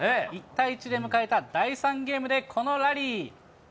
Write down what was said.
１対１で迎えた第３ゲームで、このラリー。